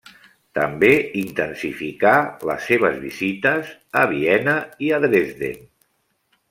També intensificà les seves visites a Viena i a Dresden.